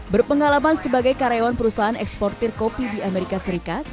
berpengalaman sebagai karyawan perusahaan eksportir kopi di amerika serikat